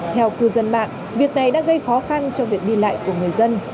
theo cư dân mạng việc này đã gây khó khăn cho việc đi lại của người dân